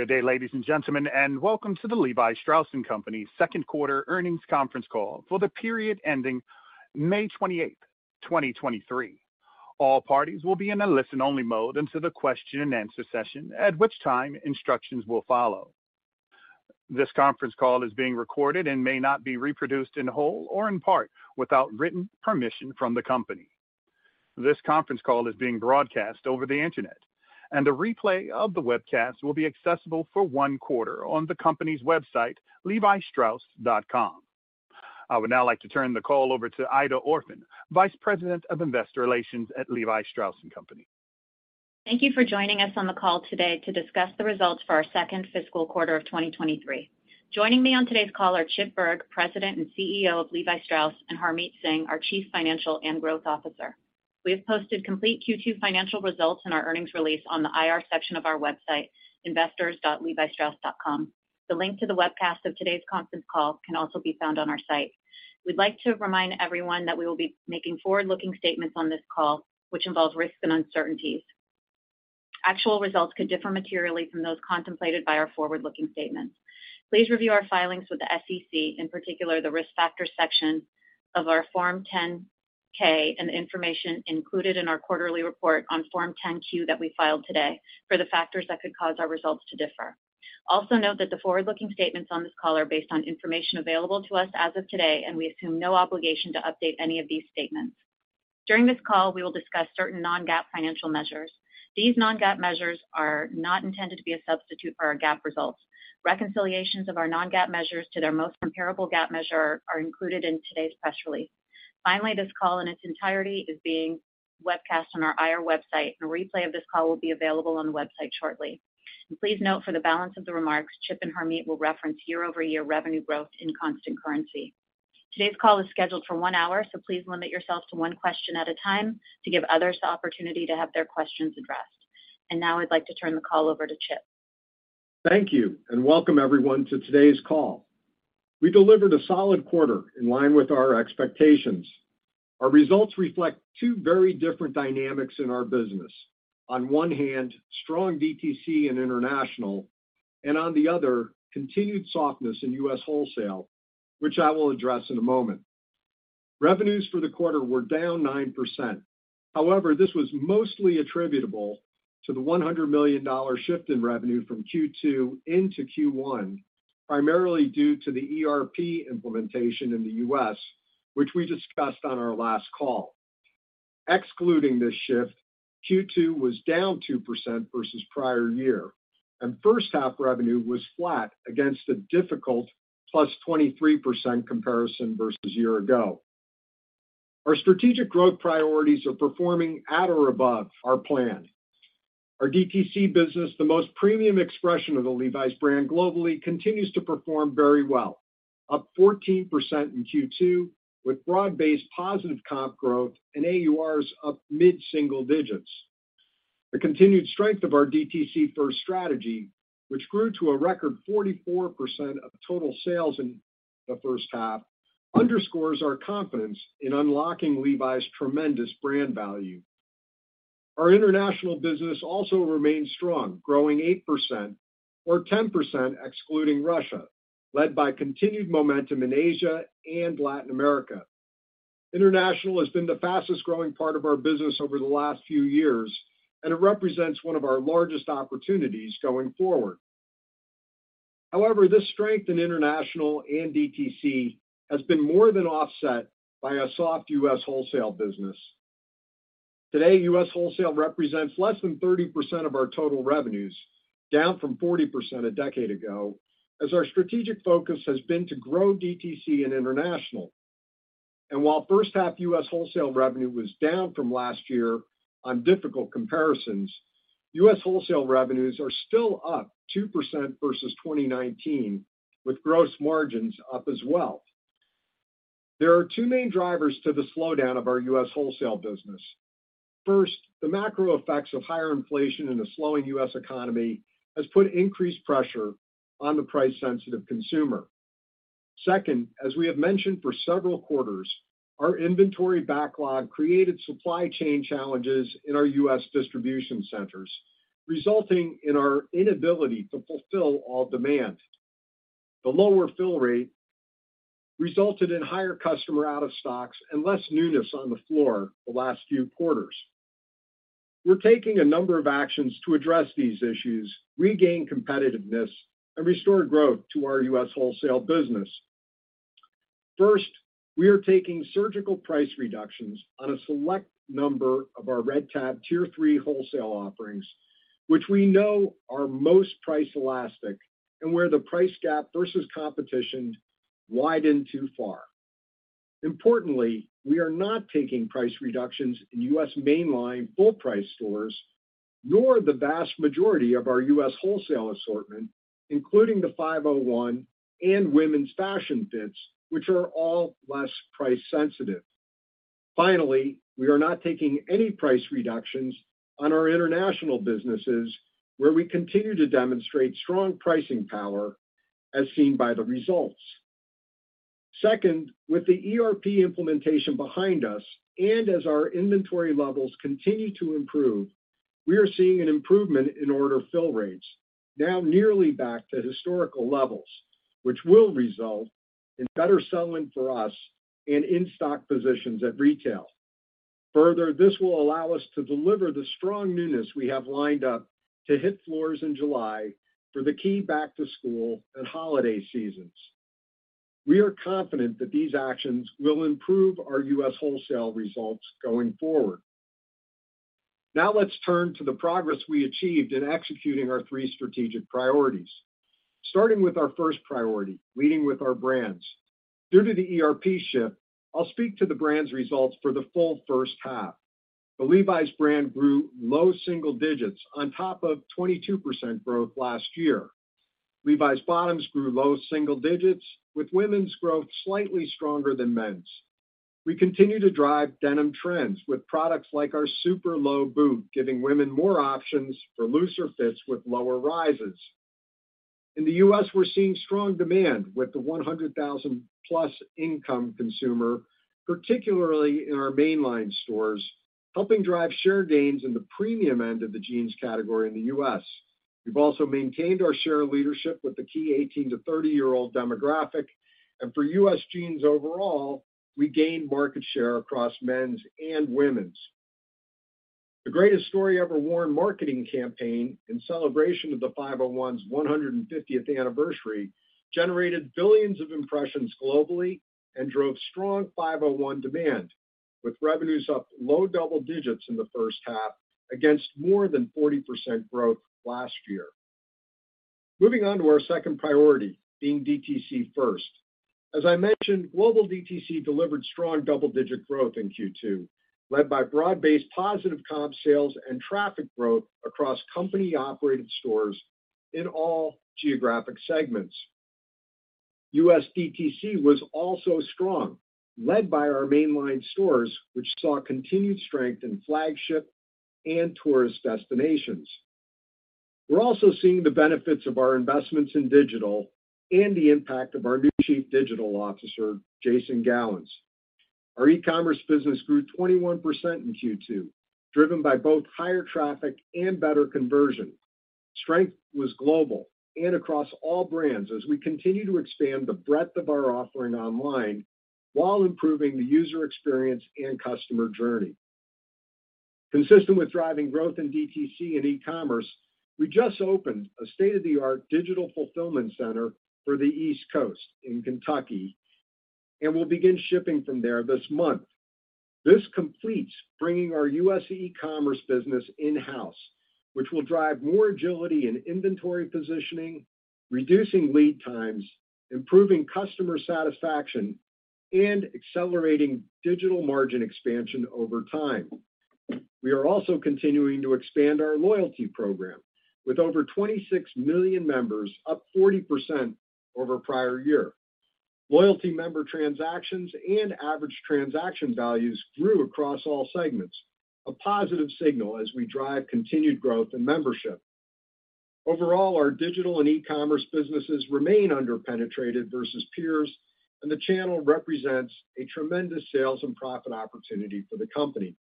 Good day, ladies and gentlemen, and welcome to the Levi Strauss & Co. second quarter earnings conference call for the period ending May 28, 2023. All parties will be in a listen-only mode until the question-and-answer session, at which time instructions will follow. This conference call is being recorded and may not be reproduced in whole or in part without written permission from the company. This conference call is being broadcast over the Internet, and a replay of the webcast will be accessible for one quarter on the company's website, levistrauss.com. I would now like to turn the call over to Aida Orphan, Vice President of Investor Relations at Levi Strauss & Co. Thank you for joining us on the call today to discuss the results for our second fiscal quarter of 2023. Joining me on today's call are Chip Bergh, President and CEO of Levi Strauss, and Harmit Singh, our Chief Financial and Growth Officer. We have posted complete Q2 financial results in our earnings release on the IR section of our website, investors.levistrauss.com. The link to the webcast of today's conference call can also be found on our site. We'd like to remind everyone that we will be making forward-looking statements on this call, which involve risks and uncertainties. Actual results could differ materially from those contemplated by our forward-looking statements. Please review our filings with the SEC, in particular, the Risk Factors section of our Form 10-K and the information included in our quarterly report on Form 10-Q that we filed today for the factors that could cause our results to differ. Also note that the forward-looking statements on this call are based on information available to us as of today, and we assume no obligation to update any of these statements. During this call, we will discuss certain non-GAAP financial measures. These non-GAAP measures are not intended to be a substitute for our GAAP results. Reconciliations of our non-GAAP measures to their most comparable GAAP measure are included in today's press release. Finally, this call in its entirety is being webcast on our IR website, and a replay of this call will be available on the website shortly. Please note for the balance of the remarks, Chip and Harmit will reference year-over-year revenue growth in constant currency. Today's call is scheduled for one hour, please limit yourself to one question at a time to give others the opportunity to have their questions addressed. Now I'd like to turn the call over to Chip. Thank you. Welcome everyone to today's call. We delivered a solid quarter in line with our expectations. Our results reflect two very different dynamics in our business. On one hand, strong DTC and international, and on the other, continued softness in U.S. wholesale, which I will address in a moment. Revenues for the quarter were down 9%. This was mostly attributable to the $100 million shift in revenue from Q2 into Q1, primarily due to the ERP implementation in the U.S., which we discussed on our last call. Excluding this shift, Q2 was down 2% versus prior year, and first half revenue was flat against a difficult +23% comparison versus year ago. Our strategic growth priorities are performing at or above our plan. Our DTC business, the most premium expression of the Levi's brand globally, continues to perform very well, up 14% in Q2, with broad-based positive comp growth and AURs up mid-single digits. The continued strength of our DTC first strategy, which grew to a record 44% of total sales in the first half, underscores our confidence in unlocking Levi's tremendous brand value. Our international business also remains strong, growing 8% or 10%, excluding Russia, led by continued momentum in Asia and Latin America. International has been the fastest growing part of our business over the last few years, and it represents one of our largest opportunities going forward. However, this strength in international and DTC has been more than offset by a soft U.S. wholesale business. Today, U.S. wholesale represents less than 30% of our total revenues, down from 40% a decade ago, as our strategic focus has been to grow DTC and international. While first half U.S. wholesale revenue was down from last year on difficult comparisons, U.S. wholesale revenues are still up 2% versus 2019, with gross margins up as well. There are two main drivers to the slowdown of our U.S. wholesale business. First, the macro effects of higher inflation in a slowing U.S. economy has put increased pressure on the price-sensitive consumer. Second, as we have mentioned for several quarters, our inventory backlog created supply chain challenges in our U.S. distribution centers, resulting in our inability to fulfill all demand. The lower fill rate resulted in higher customer out-of-stocks and less newness on the floor the last few quarters. We're taking a number of actions to address these issues, regain competitiveness, and restore growth to our U.S. wholesale business. First, we are taking surgical price reductions on a select number of our Red Tab Tier 3 wholesale offerings, which we know are most price elastic and where the price gap versus competition widened too far. Importantly, we are not taking price reductions in U.S. mainline full price stores, nor the vast majority of our U.S. wholesale assortment, including the 501 and women's fashion fits, which are all less price sensitive. We are not taking any price reductions on our international businesses, where we continue to demonstrate strong pricing power as seen by the results. With the ERP implementation behind us, as our inventory levels continue to improve, we are seeing an improvement in order fill rates, now nearly back to historical levels, which will result in better selling for us and in-stock positions at retail. This will allow us to deliver the strong newness we have lined up to hit floors in July for the key back-to-school and holiday seasons. We are confident that these actions will improve our U.S. wholesale results going forward. Let's turn to the progress we achieved in executing our three strategic priorities. Starting with our first priority, leading with our brands. Due to the ERP shift, I'll speak to the brands results for the full first half. The Levi's brand grew low single digits on top of 22% growth last year. Levi's bottoms grew low single digits, with women's growth slightly stronger than men's. We continue to drive denim trends with products like our Superlow Boot, giving women more options for looser fits with lower rises. In the U.S., we're seeing strong demand with the 100,000+ income consumer, particularly in our mainline stores, helping drive share gains in the premium end of the jeans category in the U.S. We've also maintained our share leadership with the key 18-30-year-old demographic. For U.S. jeans overall, we gained market share across men's and women's. The Greatest Story Ever Worn marketing campaign, in celebration of the 501's 150th anniversary, generated billions of impressions globally and drove strong 501 demand, with revenues up low double digits in the first half, against more than 40% growth last year. Moving on to our second priority, being DTC first. As I mentioned, global DTC delivered strong double-digit growth in Q2, led by broad-based positive comp sales and traffic growth across company-operated stores in all geographic segments. U.S. DTC was also strong, led by our mainline stores, which saw continued strength in flagship and tourist destinations. We're also seeing the benefits of our investments in digital and the impact of our new Chief Digital Officer, Jason Gowans. Our e-commerce business grew 21% in Q2, driven by both higher traffic and better conversion. Strength was global and across all brands as we continue to expand the breadth of our offering online while improving the user experience and customer journey. Consistent with driving growth in DTC and e-commerce, we just opened a state-of-the-art digital fulfillment center for the East Coast in Kentucky, and we'll begin shipping from there this month. This completes bringing our U.S. e-commerce business in-house, which will drive more agility in inventory positioning, reducing lead times, improving customer satisfaction, and accelerating digital margin expansion over time. We are also continuing to expand our loyalty program, with over 26 million members, up 40% over prior year. Loyalty member transactions and average transaction values grew across all segments, a positive signal as we drive continued growth in membership. Overall, our digital and e-commerce businesses remain underpenetrated versus peers, and the channel represents a tremendous sales and profit opportunity for the company.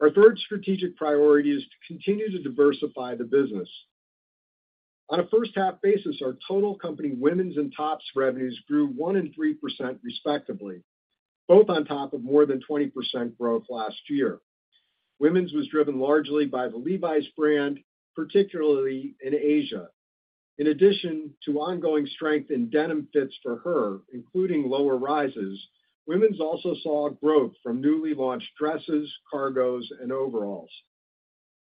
Our third strategic priority is to continue to diversify the business. On a first half basis, our total company women's and tops revenues grew 1% and 3%, respectively, both on top of more than 20% growth last year. Women's was driven largely by the Levi's brand, particularly in Asia. In addition to ongoing strength in denim fits for her, including lower rises, women's also saw growth from newly launched dresses, cargos, and overalls.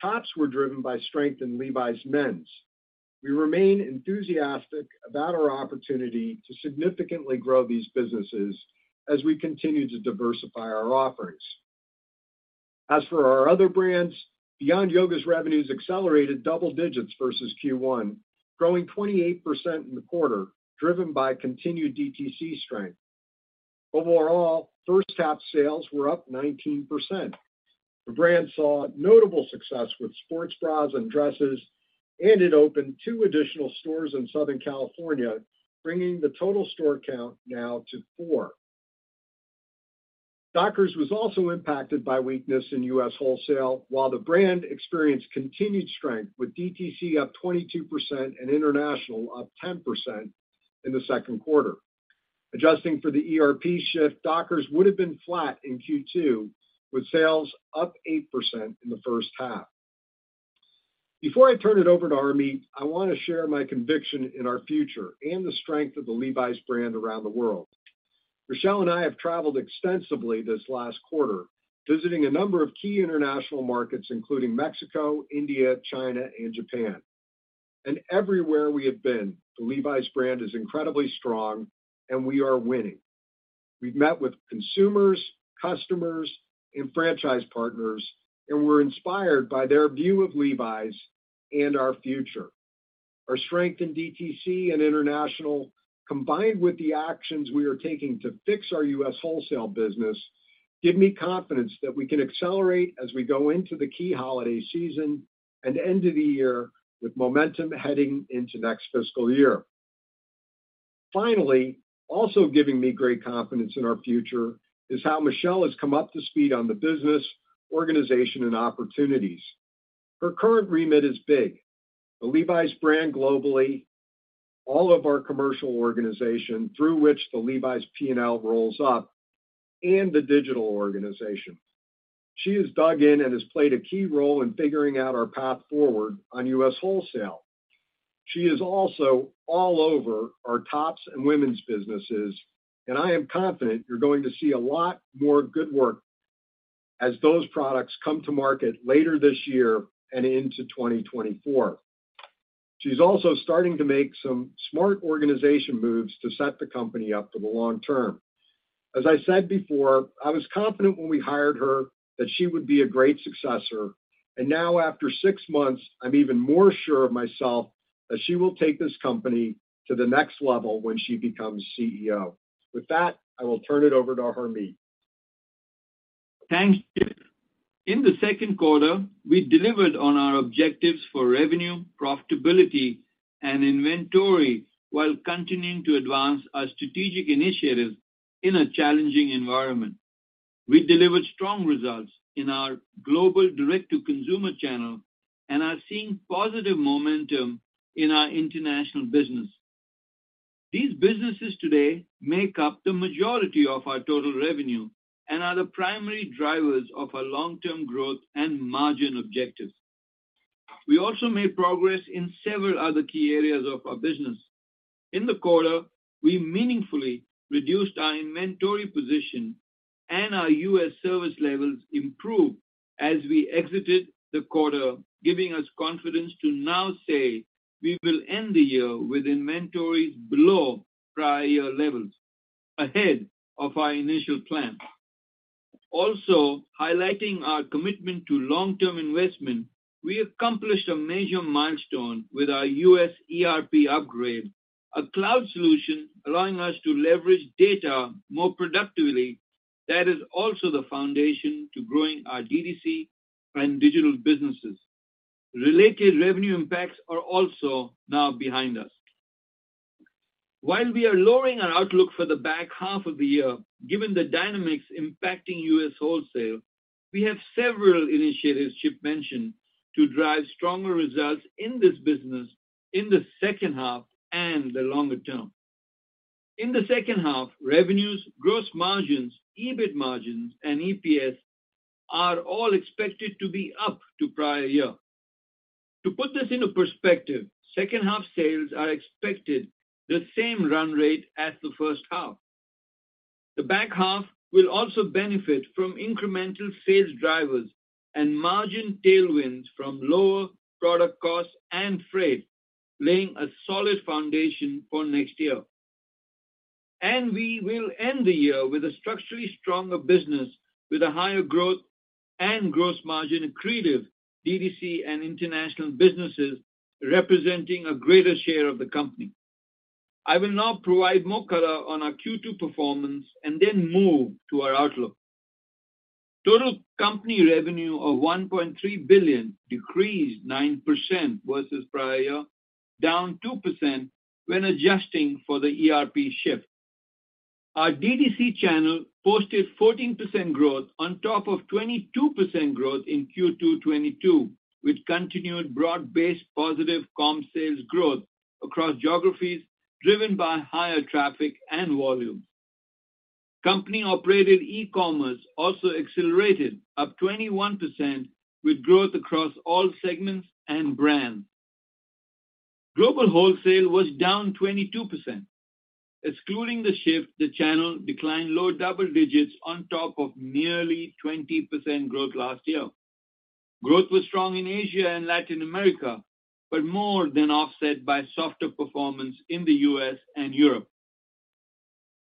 Tops were driven by strength in Levi's men's. We remain enthusiastic about our opportunity to significantly grow these businesses as we continue to diversify our offerings. For our other brands, Beyond Yoga's revenues accelerated double digits versus Q1, growing 28% in the quarter, driven by continued DTC strength. First half sales were up 19%. The brand saw notable success with sports bras and dresses, and it opened two additional stores in Southern California, bringing the total store count now to four. Dockers was also impacted by weakness in U.S. wholesale, while the brand experienced continued strength, with DTC up 22% and international up 10% in the second quarter. Adjusting for the ERP shift, Dockers would have been flat in Q2, with sales up 8% in the first half. Before I turn it over to Harmit, I want to share my conviction in our future and the strength of the Levi's brand around the world. Michelle and I have traveled extensively this last quarter, visiting a number of key international markets, including Mexico, India, China, and Japan. Everywhere we have been, the Levi's brand is incredibly strong, and we are winning. We've met with consumers, customers, and franchise partners, and we're inspired by their view of Levi's and our future. Our strength in DTC and international, combined with the actions we are taking to fix our U.S. wholesale business. Give me confidence that we can accelerate as we go into the key holiday season and end of the year, with momentum heading into next fiscal year. Finally, also giving me great confidence in our future is how Michelle has come up to speed on the business, organization, and opportunities. Her current remit is big. The Levi's brand globally, all of our commercial organization through which the Levi's P&L rolls up, and the digital organization. She has dug in and has played a key role in figuring out our path forward on U.S. wholesale. She is also all over our tops and women's businesses, and I am confident you're going to see a lot more good work as those products come to market later this year and into 2024. She's also starting to make some smart organization moves to set the company up for the long term. As I said before, I was confident when we hired her that she would be a great successor, and now, after six months, I'm even more sure of myself that she will take this company to the next level when she becomes CEO. With that, I will turn it over to Harmit. Thanks, Chip. In the second quarter, we delivered on our objectives for revenue, profitability, and inventory, while continuing to advance our strategic initiatives in a challenging environment. We delivered strong results in our global direct-to-consumer channel and are seeing positive momentum in our international business. These businesses today make up the majority of our total revenue and are the primary drivers of our long-term growth and margin objectives. We also made progress in several other key areas of our business. In the quarter, we meaningfully reduced our inventory position, and our U.S. service levels improved as we exited the quarter, giving us confidence to now say we will end the year with inventories below prior year levels, ahead of our initial plan. Highlighting our commitment to long-term investment, we accomplished a major milestone with our U.S. ERP upgrade, a cloud solution allowing us to leverage data more productively that is also the foundation to growing our DTC and digital businesses. Related revenue impacts are also now behind us. While we are lowering our outlook for the back half of the year, given the dynamics impacting U.S. wholesale, we have several initiatives Chip mentioned to drive stronger results in this business in the second half and the longer term. In the second half, revenues, gross margins, EBIT margins, and EPS are all expected to be up to prior year. To put this into perspective, second half sales are expected the same run rate as the first half. The back half will also benefit from incremental sales drivers and margin tailwinds from lower product costs and freight, laying a solid foundation for next year. We will end the year with a structurally stronger business, with a higher growth and gross margin accretive DTC and international businesses, representing a greater share of the company. I will now provide more color on our Q2 performance and then move to our outlook. Total company revenue of $1.3 billion decreased 9% versus prior year, down 2% when adjusting for the ERP shift. Our DTC channel posted 14% growth on top of 22% growth in Q2 2022, with continued broad-based positive comp sales growth across geographies, driven by higher traffic and volume. Company-operated e-commerce also accelerated, up 21%, with growth across all segments and brands. Global wholesale was down 22%. Excluding the shift, the channel declined low double digits on top of nearly 20% growth last year. Growth was strong in Asia and Latin America, but more than offset by softer performance in the U.S. and Europe.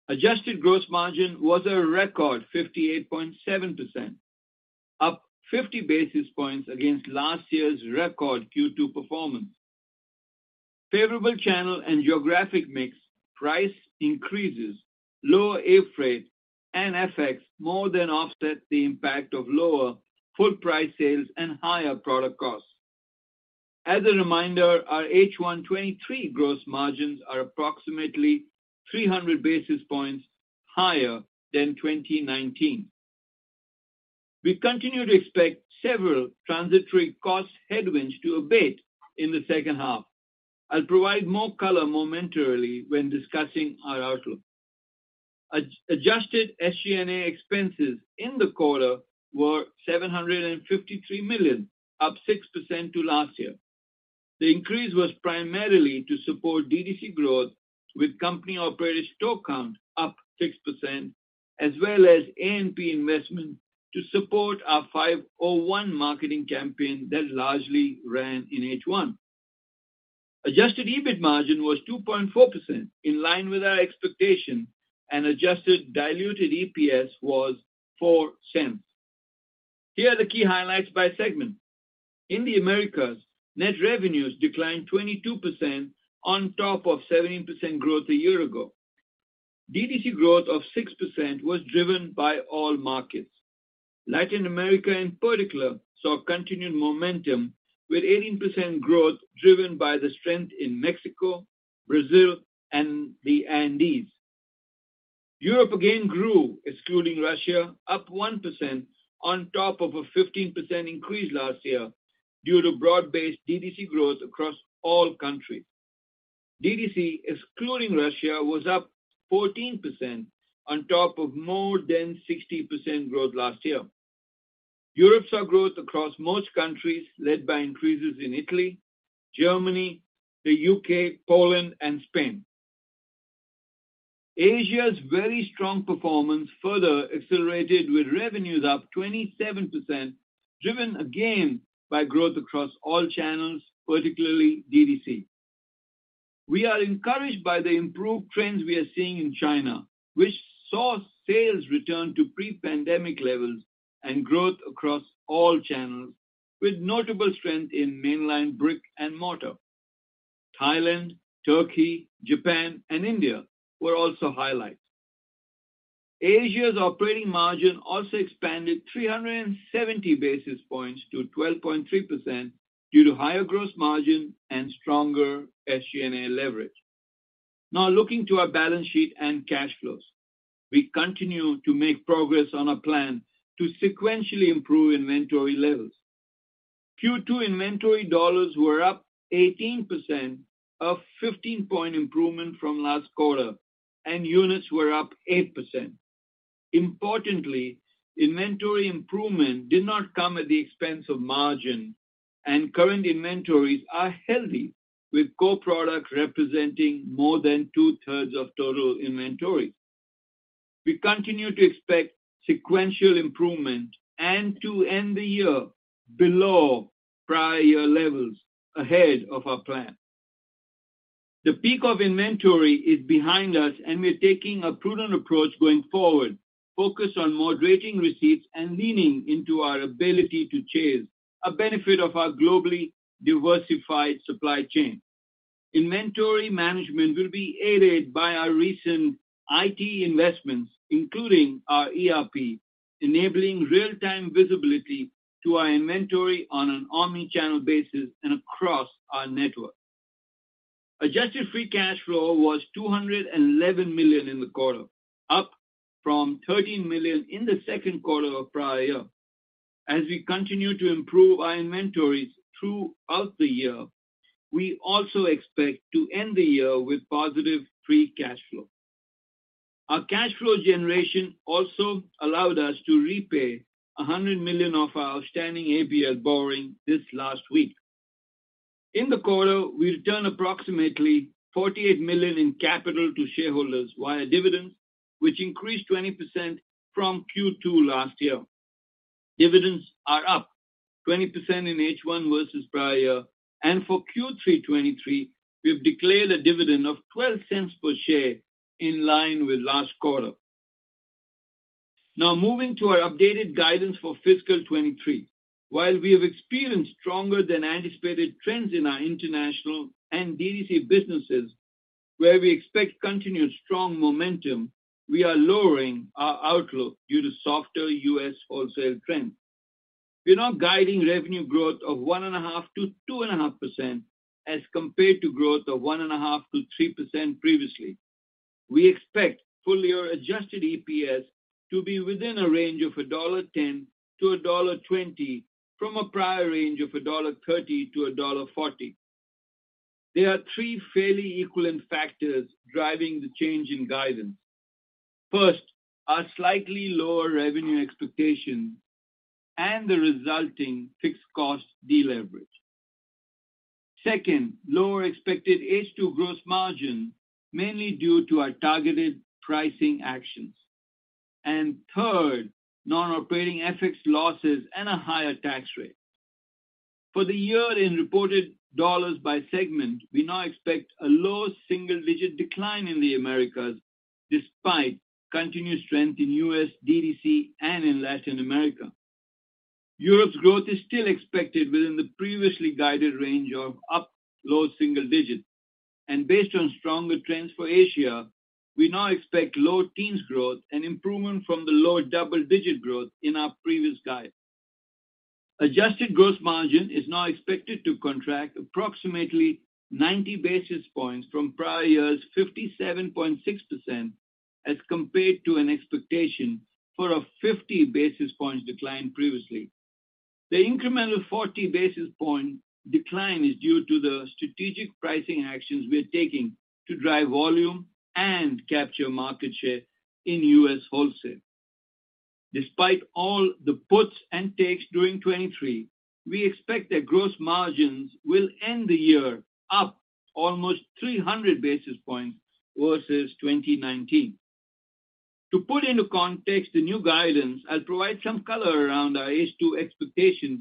Adjusted gross margin was a record 58.7%, up 50 basis points against last year's record Q2 performance. Favorable channel and geographic mix, price increases, lower air freight and FX more than offset the impact of lower full price sales and higher product costs. As a reminder, our H1 2023 gross margins are approximately 300 basis points higher than 2019. We continue to expect several transitory cost headwinds to abate in the second half. I'll provide more color momentarily when discussing our outlook. Adjusted SG&A expenses in the quarter were $753 million, up 6% to last year. The increase was primarily to support DTC growth, with company-operated store count up 6%, as well as A&P investment to support our 501 marketing campaign that largely ran in Adjusted EBIT margin was 2.4%, in line with our expectation. Adjusted diluted EPS was $0.04. Here are the key highlights by segment. In the Americas, net revenues declined 22% on top of 17% growth a year ago. DTC growth of 6% was driven by all markets. Latin America, in particular, saw continued momentum, with 18% growth driven by the strength in Mexico, Brazil, and the Andes. Europe again grew, excluding Russia, up 1% on top of a 15% increase last year due to broad-based DTC growth across all countries. DTC, excluding Russia, was up 14% on top of more than 60% growth last year. Europe saw growth across most countries, led by increases in Italy, Germany, the U.K., Poland, and Spain. Asia's very strong performance further accelerated, with revenues up 27%, driven again by growth across all channels, particularly DTC. We are encouraged by the improved trends we are seeing in China, which saw sales return to pre-pandemic levels and growth across all channels, with notable strength in mainline brick and mortar. Thailand, Turkey, Japan, and India were also highlights. Asia's operating margin also expanded 370 basis points to 12.3% due to higher gross margin and stronger SG&A leverage. Looking to our balance sheet and cash flows. We continue to make progress on our plan to sequentially improve inventory levels. Q2 inventory dollars were up 18%, a 15-point improvement from last quarter, and units were up 8%. Importantly, inventory improvement did not come at the expense of margin, and current inventories are healthy, with core products representing more than two-thirds of total inventory. We continue to expect sequential improvement and to end the year below prior year levels, ahead of our plan. The peak of inventory is behind us, and we're taking a prudent approach going forward, focused on moderating receipts and leaning into our ability to chase a benefit of our globally diversified supply chain. Inventory management will be aided by our recent IT investments, including our ERP, enabling real-time visibility to our inventory on an omni-channel basis and across our network. Adjusted free cash flow was $211 million in the quarter, up from $13 million in the second quarter of prior year. As we continue to improve our inventories throughout the year, we also expect to end the year with positive free cash flow. Our cash flow generation also allowed us to repay $100 million of our outstanding ABL borrowing this last week. In the quarter, we returned approximately $48 million in capital to shareholders via dividends, which increased 20% from Q2 last year. Dividends are up 20% in H1 versus prior year, and for Q3 2023, we've declared a dividend of $0.12 per share, in line with last quarter. Moving to our updated guidance for fiscal 2023. While we have experienced stronger than anticipated trends in our international and DTC businesses, where we expect continued strong momentum, we are lowering our outlook due to softer U.S. wholesale trends. We are now guiding revenue growth of 1.5%-2.5% as compared to growth of 1.5%-3% previously. We expect full-year adjusted EPS to be within a range of $1.10-1.20, from a prior range of $1.30-$1.40. There are three fairly equivalent factors driving the change in guidance. First, our slightly lower revenue expectations and the resulting fixed cost deleverage. Second, lower expected H2 gross margin, mainly due to our targeted pricing actions. Third, non-operating FX losses and a higher tax rate. For the year in reported dollars by segment, we now expect a low single-digit decline in the Americas, despite continued strength in U.S., DTC, and in Latin America. Europe's growth is still expected within the previously guided range of up low single digits, and based on stronger trends for Asia, we now expect low teens growth, an improvement from the low double-digit growth in our previous guide. Adjusted gross margin is now expected to contract approximately 90 basis points from prior year's 57.6% as compared to an expectation for a 50 basis points decline previously. The incremental 40 basis point decline is due to the strategic pricing actions we're taking to drive volume and capture market share in U.S. wholesale. Despite all the puts and takes during 2023, we expect that gross margins will end the year up almost 300 basis points versus 2019. To put into context the new guidance, I'll provide some color around our H2 expectations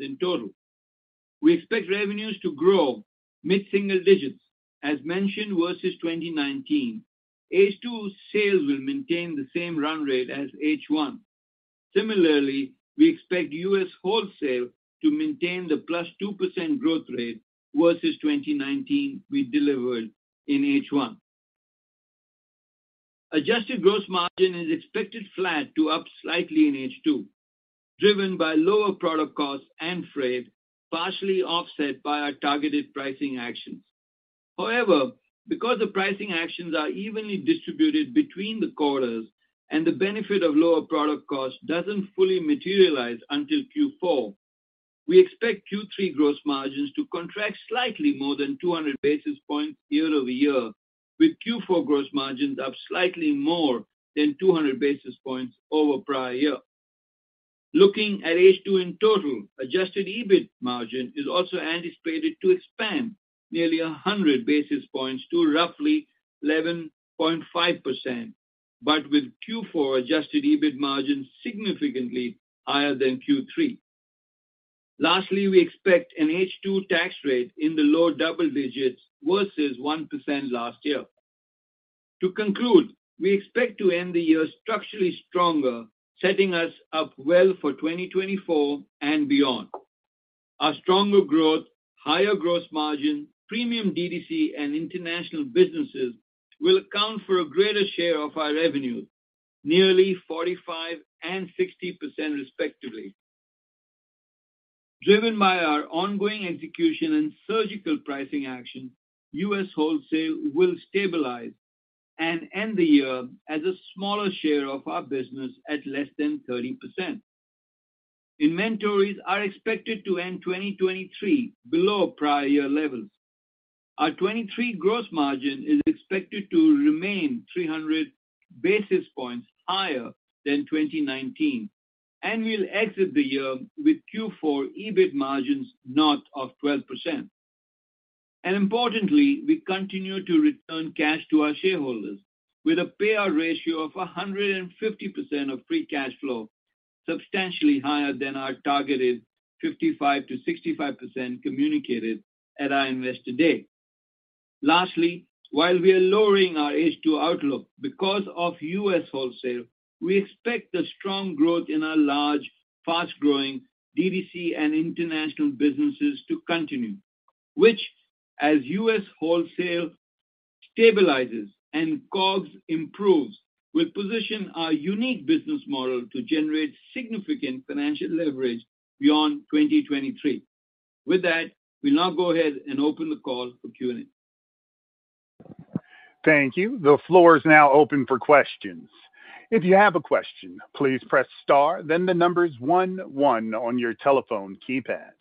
in total. We expect revenues to grow mid-single digits, as mentioned, versus 2019. H2 sales will maintain the same run rate as H1. Similarly, we expect U.S. wholesale to maintain the +2% growth rate versus 2019 we delivered in H1. Adjusted gross margin is expected flat to up slightly in H2, driven by lower product costs and freight, partially offset by our targeted pricing actions. Because the pricing actions are evenly distributed between the quarters and the benefit of lower product cost doesn't fully materialize until Q4, we expect Q3 gross margins to contract slightly more than 200 basis points year-over-year, with Q4 gross margins up slightly more than 200 basis points over prior year. Looking at H2 in Adjusted EBIT margin is also anticipated to expand nearly 100 basis points to roughly 11.5%, but with Adjusted EBIT margin significantly higher than Q3. Lastly, we expect an H2 tax rate in the low double digits versus 1% last year. To conclude, we expect to end the year structurally stronger, setting us up well for 2024 and beyond. Our stronger growth, higher gross margin, premium DTC, and international businesses will account for a greater share of our revenues, nearly 45% and 60%, respectively. Driven by our ongoing execution and surgical pricing action, U.S. wholesale will stabilize and end the year as a smaller share of our business at less than 30%. Inventories are expected to end 2023 below prior year levels. Our 2023 gross margin is expected to remain 300 basis points higher than 2019, and we'll exit the year with Q4 EBIT margins north of 12%. Importantly, we continue to return cash to our shareholders with a payout ratio of 150% of free cash flow, substantially higher than our targeted 55%-65% communicated at our Investor Day. Lastly, while we are lowering our H2 outlook because of U.S. wholesale, we expect the strong growth in our large, fast-growing DTC and international businesses to continue, which, as U.S. wholesale stabilizes and COGS improves, will position our unique business model to generate significant financial leverage beyond 2023. With that, we'll now go ahead and open the call for Q&A. Thank you. The floor is now open for questions. If you have a question, please press star, then the numbers 1 on your telephone keypad.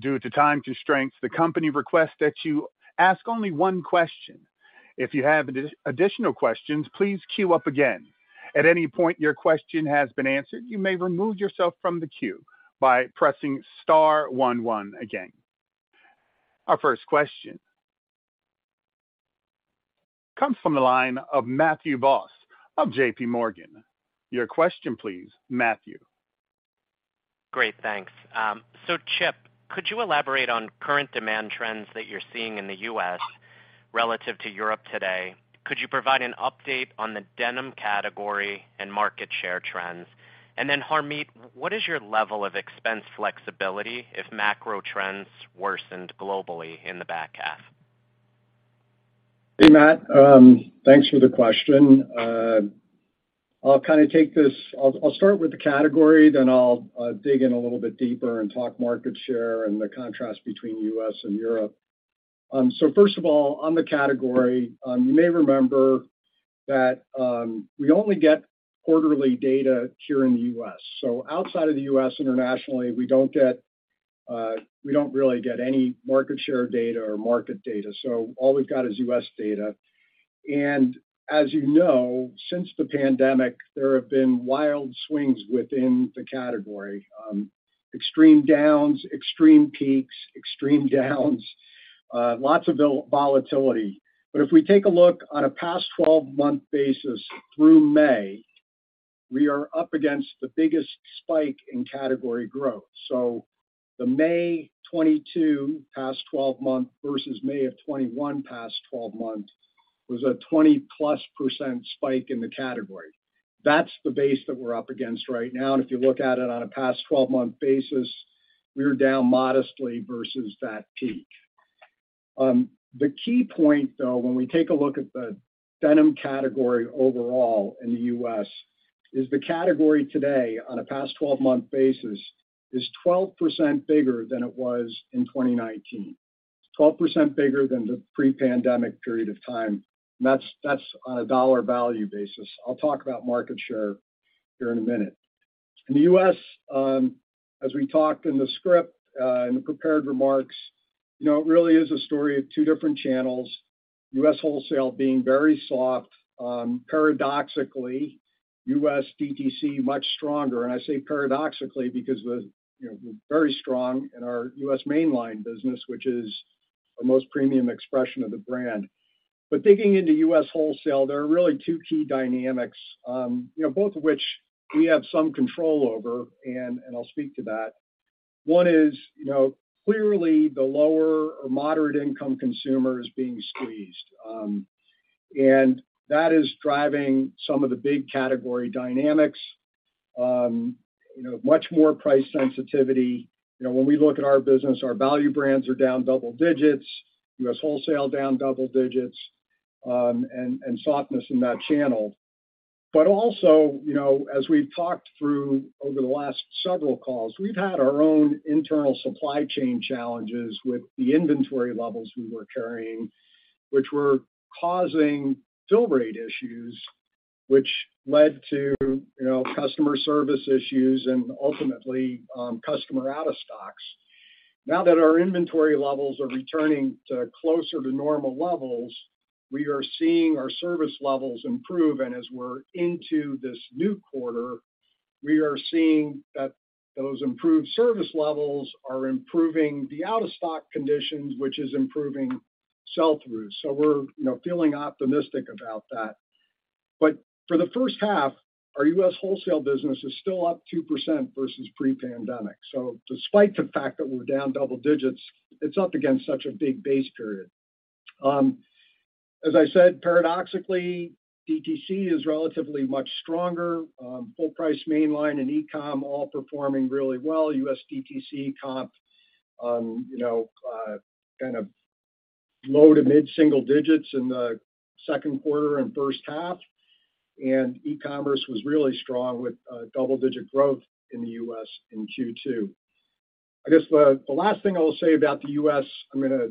Due to time constraints, the company requests that you ask only one question. If you have additional questions, please queue up again. At any point your question has been answered, you may remove yourself from the queue by pressing star 1 again. Our first question comes from the line of Matthew Boss of JPMorgan. Your question, please, Matthew. Great, thanks. Chip, could you elaborate on current demand trends that you're seeing in the U.S. relative to Europe today? Could you provide an update on the denim category and market share trends? Harmit, what is your level of expense flexibility if macro trends worsened globally in the back half? Hey, Matthew, thanks for the question. I'll start with the category, then I'll dig in a little bit deeper and talk market share and the contrast between U.S. and Europe. First of all, on the category, you may remember that we only get quarterly data here in the U.S. Outside of the U.S., internationally, we don't get, we don't really get any market share data or market data, all we've got is U.S. data. As you know, since the pandemic, there have been wild swings within the category. Extreme downs, extreme peaks, extreme downs, lots of volatility. If we take a look on a past 12-month basis through May, we are up against the biggest spike in category growth. The May 22 past 12-month versus May of 21 past 12-month was a 20+% spike in the category. That's the base that we're up against right now. If you look at it on a past 12-month basis, we're down modestly versus that peak. The key point, though, when we take a look at the denim category overall in the U.S., is the category today, on a past 12-month basis, is 12% bigger than it was in 2019. 12% bigger than the pre-pandemic period of time. That's, that's on a dollar value basis. I'll talk about market share here in a minute. In the U.S., as we talked in the script, in the prepared remarks, you know, it really is a story of two different channels. U.S. wholesale being very soft, paradoxically, U.S. DTC, much stronger. I say paradoxically because you know, we're very strong in our U.S. mainline business, which is the most premium expression of the brand. Digging into U.S. wholesale, there are really two key dynamics, you know, both of which we have some control over, and I'll speak to that. One is, you know, clearly the lower or moderate income consumer is being squeezed. That is driving some of the big category dynamics. You know, much more price sensitivity. You know, when we look at our business, our value brands are down double digits, U.S. wholesale down double digits, and softness in that channel. Also, you know, as we've talked through over the last several calls, we've had our own internal supply chain challenges with the inventory levels we were carrying, which were causing fill rate issues, which led to, you know, customer service issues and ultimately, customer out-of-stocks. Now that our inventory levels are returning to closer to normal levels, we are seeing our service levels improve, and as we're into this new quarter, we are seeing that those improved service levels are improving the out-of-stock conditions, which is improving sell-through. We're, you know, feeling optimistic about that. For the first half, our U.S. wholesale business is still up 2% versus pre-pandemic. Despite the fact that we're down double digits, it's up against such a big base period. As I said, paradoxically, DTC is relatively much stronger. Full price mainline and e-com all performing really well. U.S. DTC comp, you know, kind of low to mid single digits in the second quarter and first half, and e-commerce was really strong with double-digit growth in the U.S. in Q2. I guess the last thing I will say about the U.S., I'm gonna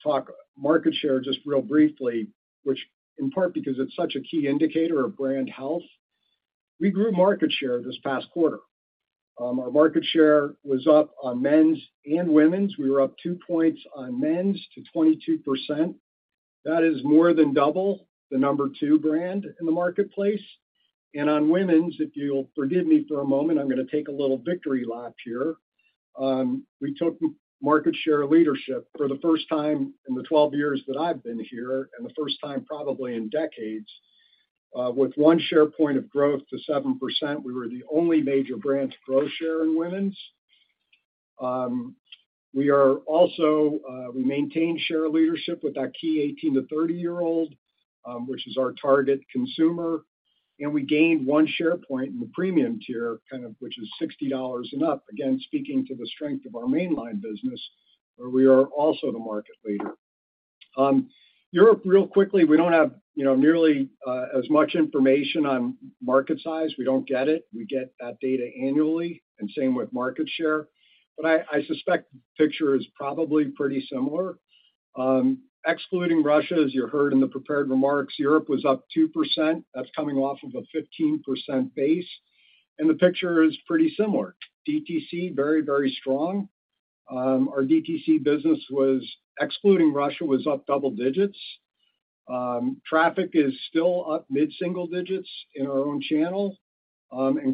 talk market share just real briefly, which in part because it's such a key indicator of brand health. We grew market share this past quarter. Our market share was up on men's and women's. We were up two points on men's to 22%. That is more than double the number 2 brand in the marketplace. On women's, if you'll forgive me for a moment, I'm gonna take a little victory lap here. We took market share leadership for the first time in the 12 years that I've been here, and the first time probably in decades. With 1 share point of growth to 7%, we were the only major brand to grow share in women's. We are also, we maintained share leadership with our key 18 to 30-year-old, which is our target consumer, and we gained 1 share point in the premium tier, kind of which is $60 and up. Again, speaking to the strength of our mainline business, where we are also the market leader. Europe, real quickly, we don't have, you know, nearly as much information on market size. We don't get it. We get that data annually and same with market share, but I suspect the picture is probably pretty similar. Excluding Russia, as you heard in the prepared remarks, Europe was up 2%. The picture is pretty similar. DTC, very, very strong. Our DTC business was, excluding Russia, was up double digits. Traffic is still up mid single digits in our own channel.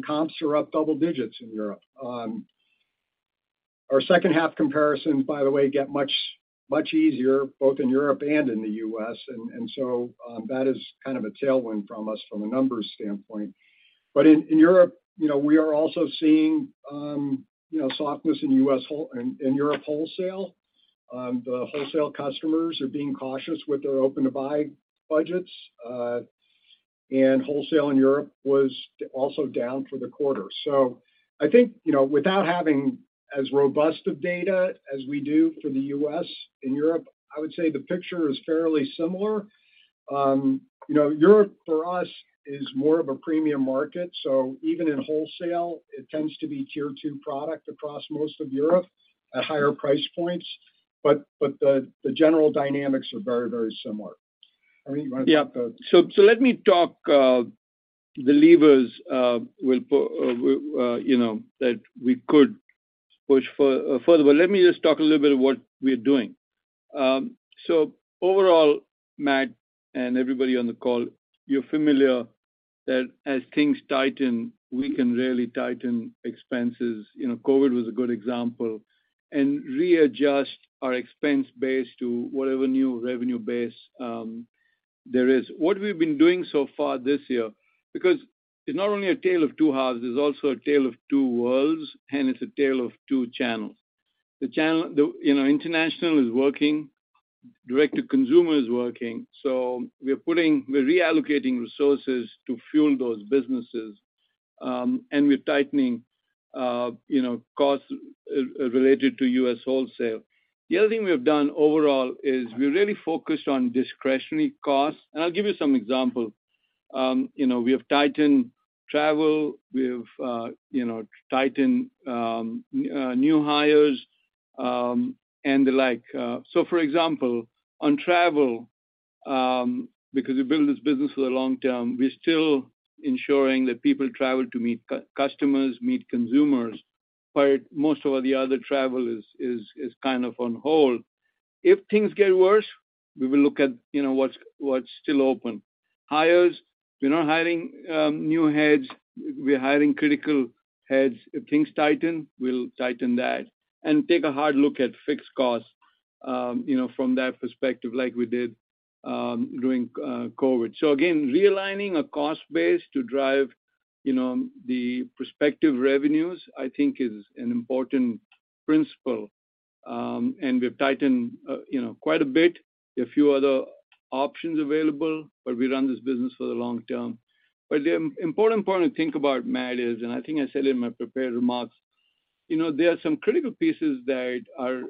Comps are up double digits in Europe. Our second half comparisons, by the way, get much, much easier, both in Europe and in the U.S. That is kind of a tailwind from us from a numbers standpoint. In Europe, you know, we are also seeing, you know, softness in Europe wholesale. The wholesale customers are being cautious with their open-to-buy budgets. Wholesale in Europe was also down for the quarter. I think, you know, without having as robust of data as we do for the U.S. in Europe, I would say the picture is fairly similar. You know, Europe for us is more of a premium market, so even in wholesale, it tends to be Tier 2 product across most of Europe at higher price points, but the general dynamics are very similar. Harmit, you want to talk about- Yeah. So, let me talk the levers we'll put, we, you know, that we could push further. Let me just talk a little bit of what we are doing. Overall, Matthew and everybody on the call, you're familiar that as things tighten, we can really tighten expenses, you know, COVID was a good example, and readjust our expense base to whatever new revenue base there is. What we've been doing so far this year. It's not only a tale of two halves, it's also a tale of two worlds, and it's a tale of two channels. The channel, you know, international is working, direct to consumer is working, we're reallocating resources to fuel those businesses, and we're tightening, you know, costs related to U.S. wholesale. The other thing we have done overall is we really focused on discretionary costs, and I'll give you some example. You know, we have tightened travel, we have, you know, tightened, new hires, and the like. So for example, on travel, because we build this business for the long term, we're still ensuring that people travel to meet customers, meet consumers, but most of the other travel is kind of on hold. If things get worse, we will look at, you know, what's still open. Hires. We're not hiring, new heads. We're hiring critical heads. If things tighten, we'll tighten that and take a hard look at fixed costs, you know, from that perspective, like we did, during, COVID. Realigning a cost base to drive the prospective revenues, I think is an important principle. And we've tightened quite a bit. There are few other options available, but we run this business for the long term. The important point to think about, Matthew, is, and I think I said it in my prepared remarks, there are some critical pieces that are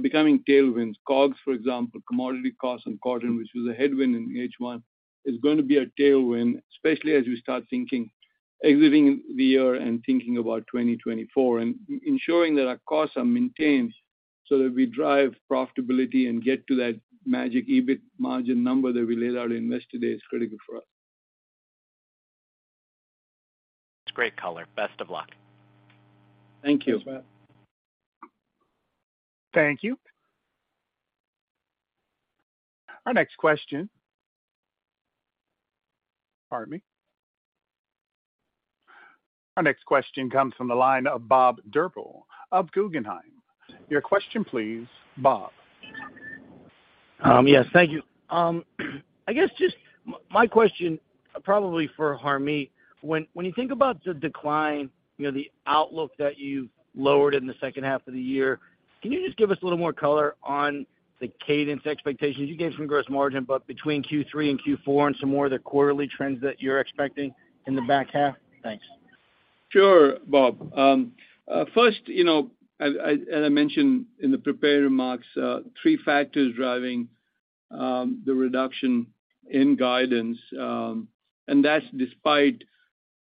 becoming tailwinds. COGS, for example, commodity costs and cotton, which was a headwind in H1, is going to be a tailwind, especially as we start thinking exiting the year and thinking about 2024. Ensuring that our costs are maintained so that we drive profitability and get to that magic EBIT margin number that we laid out at Investor Day is critical for us. It's great color. Best of luck. Thank you. Thanks, Matt. Thank you. Pardon me. Our next question comes from the line of Bob Drbul of Guggenheim. Your question please, Bob. Yes, thank you. I guess my question, probably for Harmit, when you think about the decline, you know, the outlook that you lowered in the second half of the year, can you just give us a little more color on the cadence expectations? You gave some gross margin, but between Q3 and Q4 and some more of the quarterly trends that you're expecting in the back half? Thanks. Sure, Bob. First, you know, as I mentioned in the prepared remarks, three factors driving the reduction in guidance. That's despite,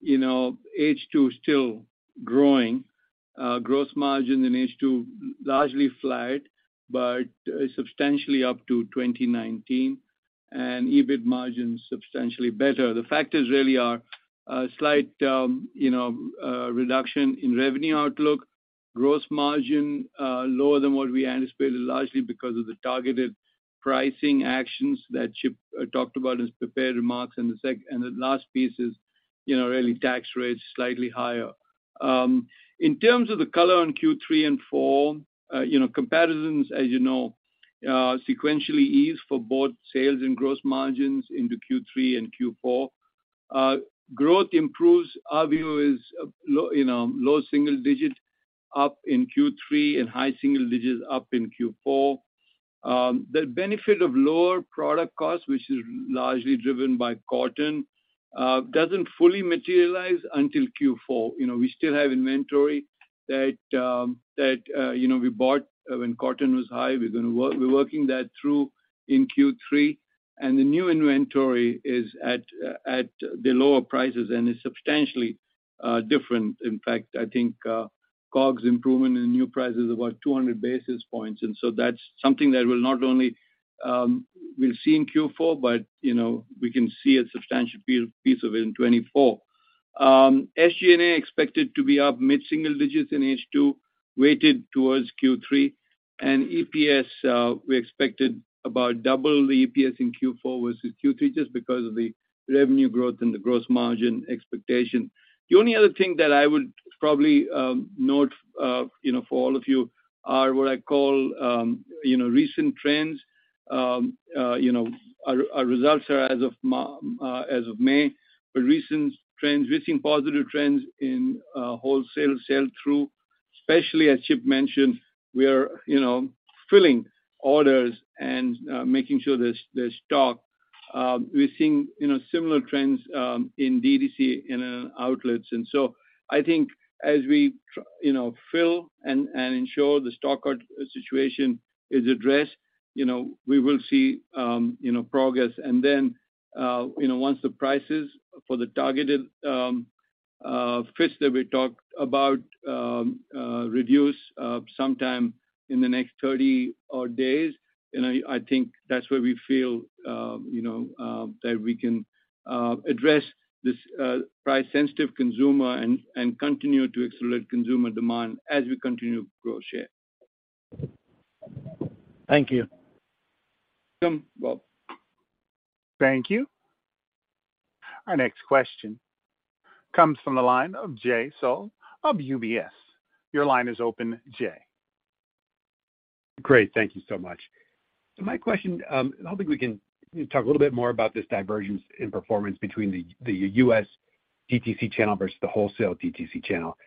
you know, H2 still growing. Gross margin in H2 largely flat, but substantially up to 2019, and EBIT margin substantially better. The factors really are a slight reduction in revenue outlook, gross margin lower than what we anticipated, largely because of the targeted pricing actions that Chip talked about in his prepared remarks. The last piece is, you know, really tax rates slightly higher. In terms of the color on Q3 and Q4, you know, comparisons, as you know, sequentially ease for both sales and gross margins into Q3 and Q4. Growth improves. Our view is you know, low single digits up in Q3 and high single digits up in Q4. The benefit of lower product costs, which is largely driven by cotton, doesn't fully materialize until Q4. You know, we still have inventory that, you know, we bought when cotton was high. We're working that through in Q3, and the new inventory is at the lower prices and is substantially different. In fact, I think COGS improvement in new prices is about 200 basis points, and so that's something that will not only we'll see in Q4, but you know, we can see a substantial piece of it in 2024. SG&A expected to be up mid-single digits in H2, weighted towards Q3. EPS, we expected about double the EPS in Q4 versus Q3, just because of the revenue growth and the gross margin expectation. The only other thing that I would probably note, you know, for all of you, are what I call, you know, recent trends. You know, our results are as of May, but recent trends, we're seeing positive trends in wholesale sell-through, especially as Chip mentioned, we are, you know, filling orders and making sure there's stock. We're seeing, you know, similar trends in DTC, in outlets. I think as we, you know, fill and ensure the stock out situation is addressed, you know, we will see, you know, progress. You know, once the prices for the targeted fits that we talked about reduce sometime in the next 30 odd days, then I think that's where we feel, you know, that we can address this price-sensitive consumer and continue to accelerate consumer demand as we continue to grow share. Thank you. Welcome, Bob. Thank you. Our next question comes from the line of Jay Sole of UBS. Your line is open, Jay. Great. Thank you so much. My question, I don't think we can talk a little bit more about this divergence in performance between the U.S. DTC channel versus the wholesale DTC channel.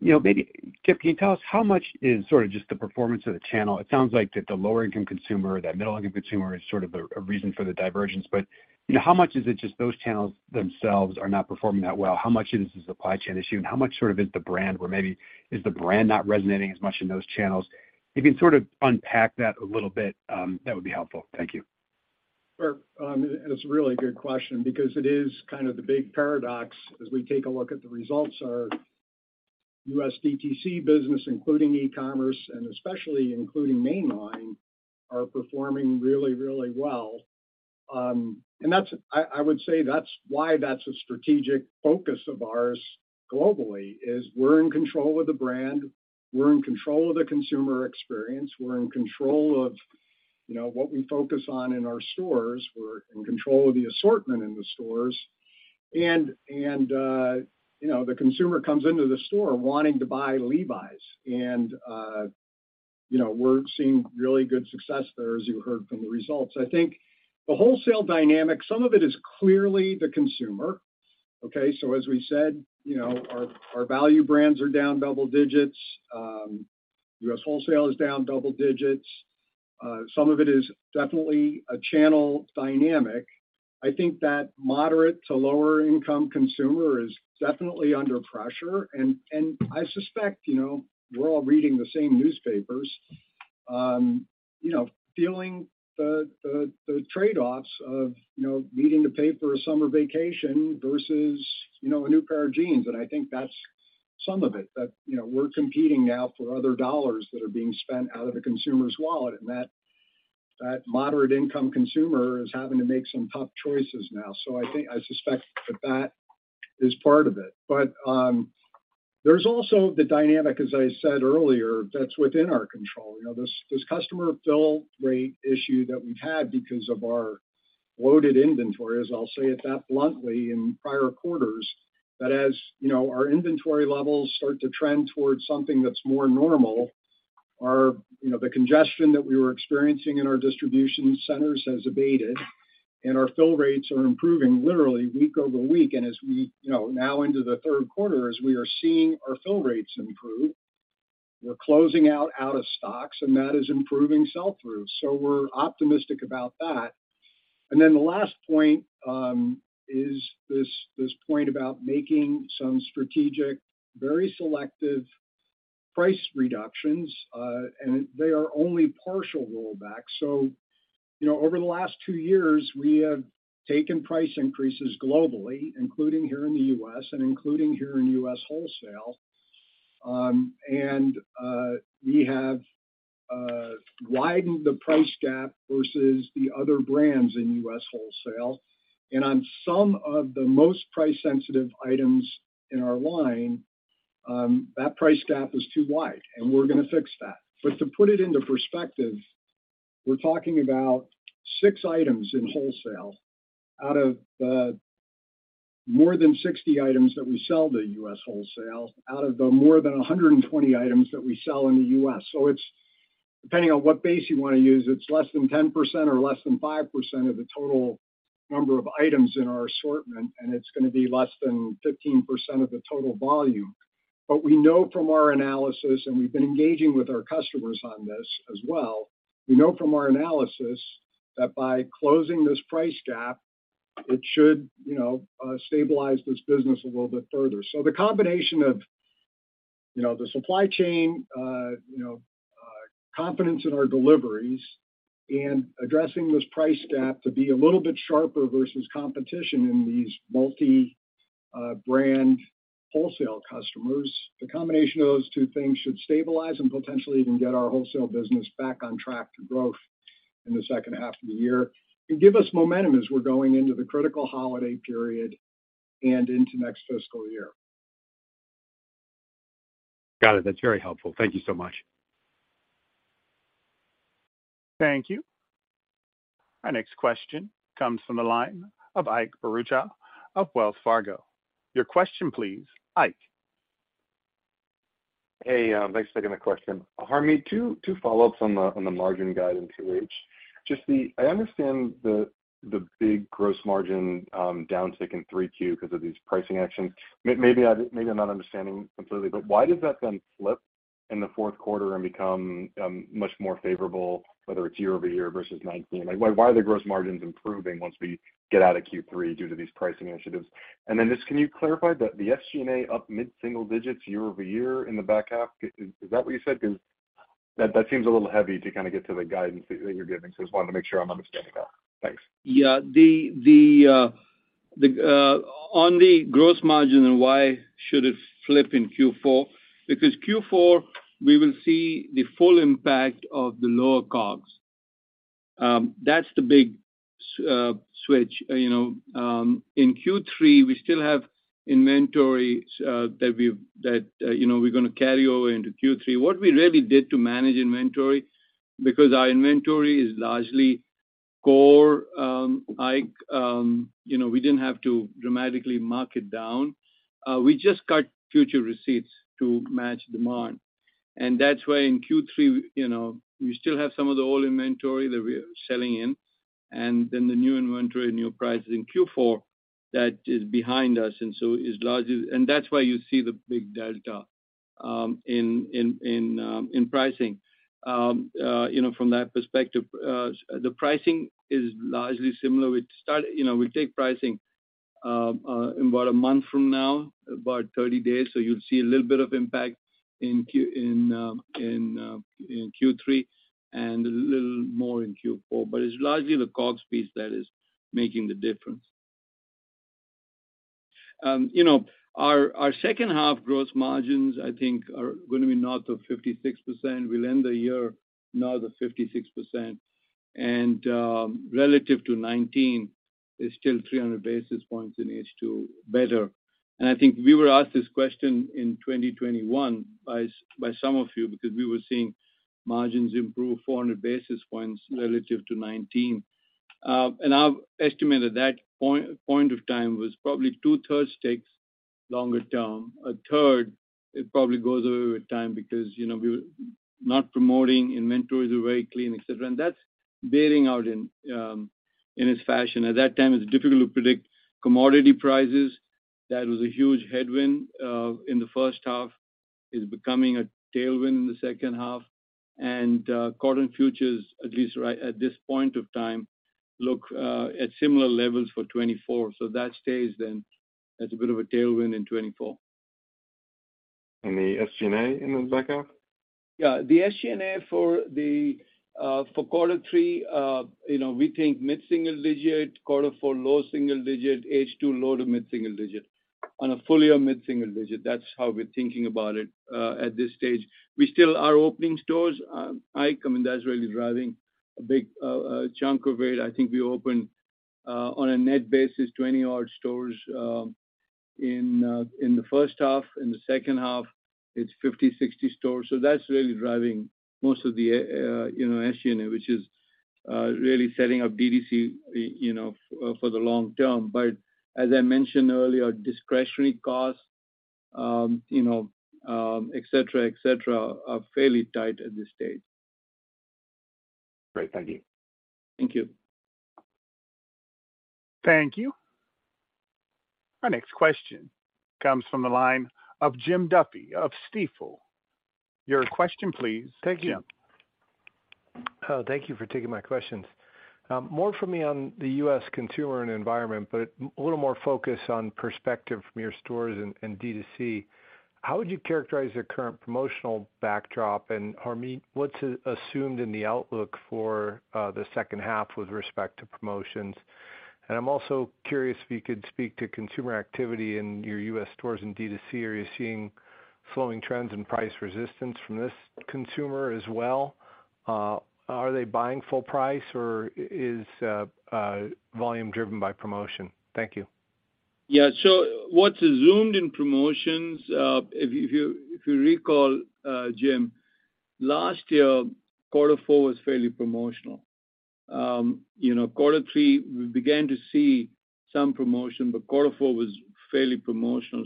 You know, maybe Chip, can you tell us how much is sort of just the performance of the channel? It sounds like that the lower-income consumer, that middle-income consumer is sort of a reason for the divergence, but, you know, how much is it just those channels themselves are not performing that well? How much is this a supply chain issue, and how much sort of is the brand where maybe is the brand not resonating as much in those channels? If you can sort of unpack that a little bit, that would be helpful. Thank you. Sure. It's a really good question because it is kind of the big paradox as we take a look at the results. Our U.S. DTC business, including e-commerce, and especially including mainline, are performing really, really well. That's I would say that's why that's a strategic focus of ours globally, is we're in control of the brand. We're in control of the consumer experience. We're in control of, you know, what we focus on in our stores. We're in control of the assortment in the stores. And, you know, the consumer comes into the store wanting to buy Levi's. You know, we're seeing really good success there, as you heard from the results. I think the wholesale dynamic, some of it is clearly the consumer, okay? As we said, you know, our value brands are down double digits. U.S. wholesale is down double digits. Some of it is definitely a channel dynamic. I think that moderate to lower income consumer is definitely under pressure, and I suspect, you know, we're all reading the same newspapers. You know, feeling the trade-offs of, you know, needing to pay for a summer vacation versus, you know, a new pair of jeans. I think that's some of it, that, you know, we're competing now for other dollars that are being spent out of the consumer's wallet, and that moderate income consumer is having to make some tough choices now. I suspect that that is part of it. There's also the dynamic, as I said earlier, that's within our control. You know, this customer fill rate issue that we've had because of our loaded inventory, as I'll say it, that bluntly in prior quarters, that as, you know, our inventory levels start to trend towards something that's more normal, our. You know, the congestion that we were experiencing in our distribution centers has abated, and our fill rates are improving literally week-over-week. As we, you know, now into the third quarter, as we are seeing our fill rates improve, we're closing out-of-stocks, and that is improving sell-through. We're optimistic about that. The last point is this point about making some strategic, very selective price reductions, and they are only partial rollbacks. You know, over the last two years, we have taken price increases globally, including here in the U.S. and including here in U.S. wholesale. We have widened the price gap versus the other brands in U.S. wholesale. On some of the most price-sensitive items in our line, that price gap is too wide, and we're gonna fix that. To put it into perspective, we're talking about six items in wholesale out of the more than 60 items that we sell to U.S. wholesale, out of the more than 120 items that we sell in the U.S. It's, depending on what base you wanna use, it's less than 10% or less than 5% of the total number of items in our assortment, and it's gonna be less than 15% of the total volume. We know from our analysis, and we've been engaging with our customers on this as well, we know from our analysis that by closing this price gap, it should stabilize this business a little bit further. The combination of the supply chain confidence in our deliveries and addressing this price gap to be a little bit sharper versus competition in these multi-brand wholesale customers, the combination of those two things should stabilize and potentially even get our wholesale business back on track to growth in the second half of the year. Give us momentum as we're going into the critical holiday period and into next fiscal year. Got it. That's very helpful. Thank you so much. Thank you. Our next question comes from the line of Ike Boruchow of Wells Fargo. Your question, please, Ike. Hey, thanks for taking the question. Harmit, two follow-ups on the margin guide in 2H. Just I understand the big gross margin downtick in Q3 because of these pricing actions. Maybe I'm not understanding completely, but why does that then flip in Q4 and become much more favorable, whether it's year-over-year versus 2019? Why are the gross margins improving once we get out of Q3 due to these pricing initiatives? Just, can you clarify the SG&A up mid-single digits year-over-year in the back half? Is that what you said? That seems a little heavy to kinda get to the guidance that you're giving. I just wanted to make sure I'm understanding that. Thanks. Yeah. On the gross margin, why should it flip in Q4? Q4, we will see the full impact of the lower COGS. That's the big switch. You know, in Q3, we still have inventory that, you know, we're gonna carry over into Q3. What we really did to manage inventory, because our inventory is largely core, Ike, you know, we didn't have to dramatically mark it down. We just cut future receipts to match demand. That's why in Q3, you know, we still have some of the old inventory that we're selling in, and then the new inventory and new prices in Q4, that is behind us, and that's why you see the big delta in pricing. You know, from that perspective, the pricing is largely similar. We start, you know, we take pricing, about a month from now, about 30 days. You'll see a little bit of impact in Q3 and a little more in Q4. It's largely the COGS piece that is making the difference. you know, our second-half gross margins, I think, are gonna be north of 56%. We'll end the year north of 56%. Relative to 2019 is still 300 basis points in H2 better. I think we were asked this question in 2021 by some of you, because we were seeing margins improve 400 basis points relative to 2019. Our estimate at that point of time was probably two-thirds takes longer term. A third, it probably goes away with time because, you know, we were not promoting, inventories are very clean, et cetera. That's bearing out in its fashion. At that time, it's difficult to predict commodity prices. That was a huge headwind in the first half, is becoming a tailwind in the second half. Current futures, at least right at this point of time, look at similar levels for 2024. That stays then. That's a bit of a tailwind in 2024. The SG&A in the back half? Yeah, the SG&A for the quarter three, you know, we think mid-single digit, quarter four, low single digit, H2, low to mid-single digit. On a full-year, mid-single digit. That's how we're thinking about it at this stage. We still are opening stores. I come in, that's really driving a big chunk of it. I think we opened on a net basis, 20-odd stores in the first half. In the second half, it's 50, 60 stores. That's really driving most of the, you know, SG&A, which is really setting up D2C, you know, for the long term. As I mentioned earlier, discretionary costs, you know, et cetera, et cetera, are fairly tight at this stage. Great. Thank you. Thank you. Thank you. Our next question comes from the line of Jim Duffy of Stifel. Your question, please, Jim. Thank you for taking my questions. More for me on the U.S. consumer and environment, a little more focus on perspective from your stores and D2C. How would you characterize the current promotional backdrop, Harmit, what's assumed in the outlook for the second half with respect to promotions? I'm also curious if you could speak to consumer activity in your U.S. stores and D2C. Are you seeing slowing trends in price resistance from this consumer as well? Are they buying full price, or is volume driven by promotion? Thank you. Yeah. What's zoomed in promotions, if you, if you, if you recall, Jim, last year, quarter four was fairly promotional. You know, quarter three, we began to see some promotion, but quarter four was fairly promotional.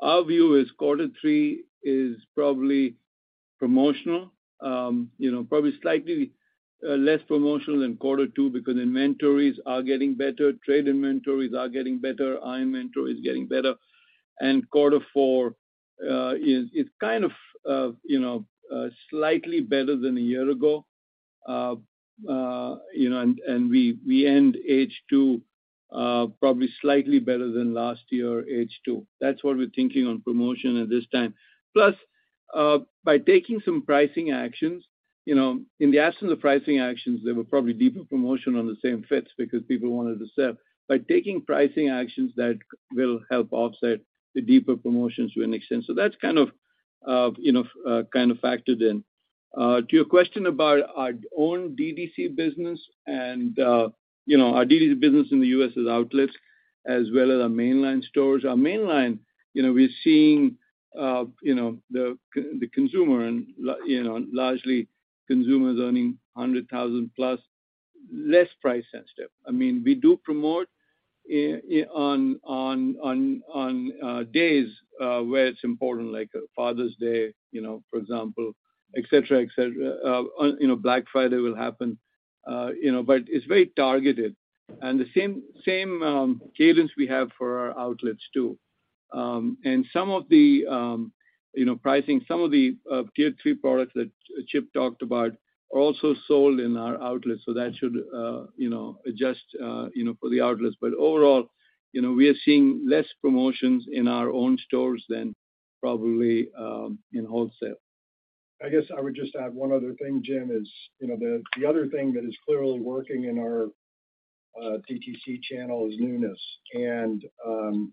Our view is quarter three is probably promotional, you know, probably slightly less promotional than quarter two because inventories are getting better, trade inventories are getting better, our inventory is getting better. Quarter four is kind of, you know, slightly better than a year ago. You know, we end H2 probably slightly better than last year, H2. That's what we're thinking on promotion at this time. Plus, by taking some pricing actions, you know, in the absence of pricing actions, there were probably deeper promotion on the same fits because people wanted to sell. By taking pricing actions, that will help offset the deeper promotions to an extent. That's kind of, you know, kind of factored in. To your question about our own D2C business and, you know, our D2C business in the U.S. is outlets as well as our mainline stores. Our mainline, you know, we're seeing, you know, the consumer and, you know, largely consumers earning 100,000 plus, less price sensitive. I mean, we do promote on days where it's important, like Father's Day, you know, for example, et cetera, et cetera. You know, Black Friday will happen, you know, but it's very targeted. The same cadence we have for our outlets, too. Some of the, you know, pricing, some of the, Tier 3 products that Chip talked about are also sold in our outlets, so that should, you know, adjust, you know, for the outlets. Overall, you know, we are seeing less promotions in our own stores than probably, in wholesale. I guess I would just add one other thing, Jim, is, you know, the other thing that is clearly working in our DTC channel is newness. You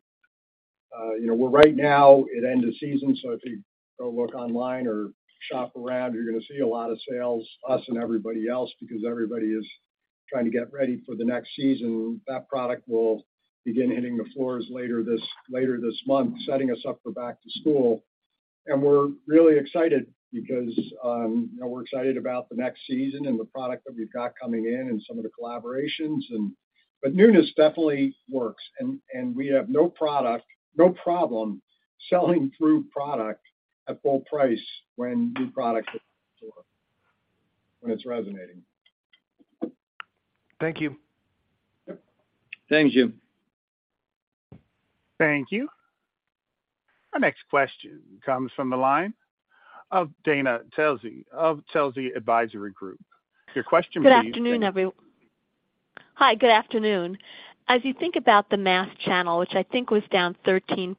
know, we're right now at end of season, so if you go look online or shop around, you're gonna see a lot of sales, us and everybody else, because everybody is trying to get ready for the next season. That product will begin hitting the floors later this month, setting us up for back to school. We're really excited because, you know, we're excited about the next season and the product that we've got coming in and some of the collaborations. Newness definitely works, and we have no problem selling through product at full price when new products hit the store, when it's resonating. Thank you. Yep. Thanks, Jim. Thank you. Our next question comes from the line of Dana Telsey with Telsey Advisory Group. Your question, please. Hi, good afternoon. As you think about the mass channel, which I think was down 13%